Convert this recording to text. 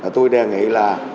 tôi đề nghị là